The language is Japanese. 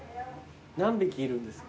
何匹いるんですか？